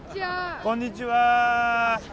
こんにちは。